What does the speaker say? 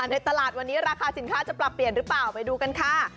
ในตลาดวันนี้ราคาสินค้าจะปรับเปลี่ยนหรือเปล่าไปดูกันค่ะ